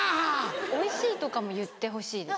「おいしい」とかも言ってほしいです。